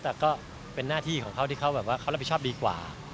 แต่ก็เป็นหน้าที่ของเขาที่เขาแบบว่าเขารับผิดชอบดีกว่า